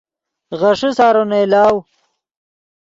غیݰے سارو نئیلاؤ